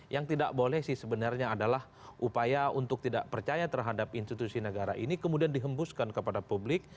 yang tidak boleh sih sebenarnya adalah upaya untuk tidak percaya terhadap institusi negara ini kemudian dihembuskan kepada publik